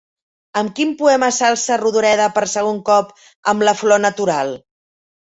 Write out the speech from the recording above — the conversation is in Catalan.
Amb quin poema s'alça Rodoreda per segon cop amb la Flor Natural?